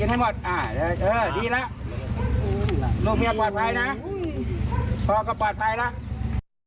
ดีแล้วลูกเมียปลอดภัยนะพ่อก็ปลอดภัยแล้ว